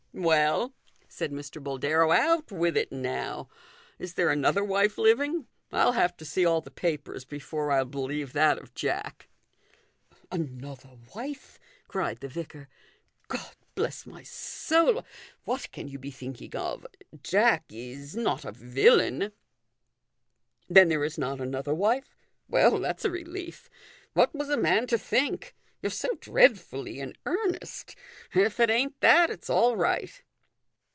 " Well," said Mr. Boldero, " out with it now. Is there another wife living ? I'll have to see all the papers before I'll believe that of Jack." 302 THE GOLDEN RULE. " Another wife !" cried the vicar. " God bless my soul, what can you be thinking of? Jack is not a villain !"" Then there is not another wife ? Well, that's a relief. What was a man to think ? You're so dreadfully in earnest. If it ain't that, it's all right."